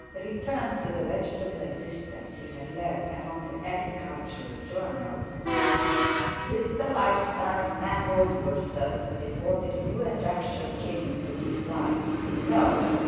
Return to the vegetable existence he had led among the agricultural journals with the life size mangold wurzels, before this new attraction came into his life—no!